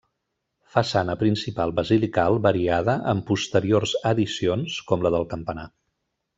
Façana principal basilical variada amb posteriors addicions, com la del campanar.